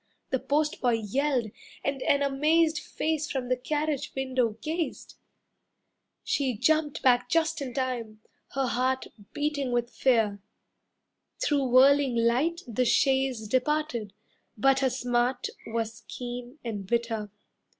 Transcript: The postboy yelled, and an amazed Face from the carriage window gazed. She jumped back just in time, her heart Beating with fear. Through whirling light The chaise departed, but her smart Was keen and bitter.